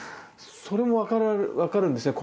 それも分かるんですね